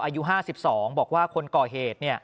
อายุ๕๒บอกว่าคนก่อเหตุ